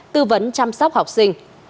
tư vấn chăm sóc học sinh